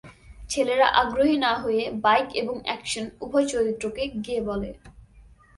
ছেলেরা, আগ্রহী না হয়ে, বাইক এবং অ্যাকশন উভয় চরিত্রকে "গে" বলে।